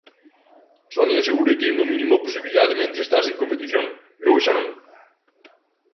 Sonia asegura que hai unha mínima posibilidade mentres estás en competición, logo xa non.